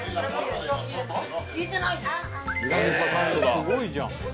すごいじゃん。